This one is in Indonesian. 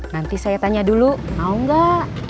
nanti saya tanya dulu mau nggak